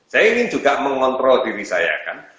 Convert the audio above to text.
saya ingin juga mengontrol diri saya kan